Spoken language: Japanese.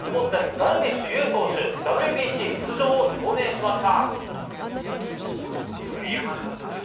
ダルビッシュ有投手、ＷＢＣ出場を表明しました。